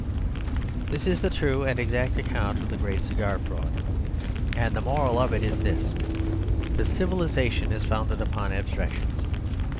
..... This is the true and exact account of the Great Cigar Fraud, and the moral of it is this that civilisation is founded upon abstractions.